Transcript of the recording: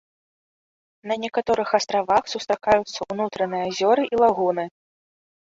На некаторых астравах сустракаюцца ўнутраныя азёры і лагуны.